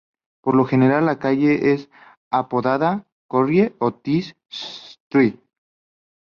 Por lo general la calle es apodada "Corrie" o "The Street".